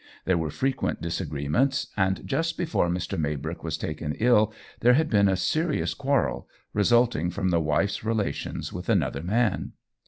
There were frequent disagreements, and just before Mr. Maybrick was taken ill there had been a serious quarrel, resulting from his wife's relations with another man.